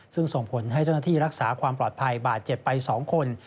ซึ่งส่งผลให้เจ้าหน้าที่รักษาความปลอดภัยบาดเจ็บไป๒คน